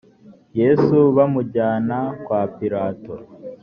yesu bamujyana kwa pilato